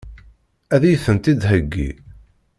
Ad iyi-tent-id-theggi?